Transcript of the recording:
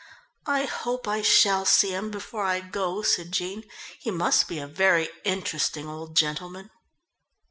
"I hope I shall see him before I go," said Jean. "He must be a very interesting old gentleman."